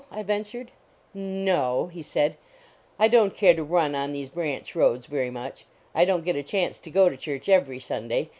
I ven tured. "N no," he said, "I don t care to run on these branch roads very much. I don t get a chance to go to church every Sunday, 198 fieatiny hinwlf <7.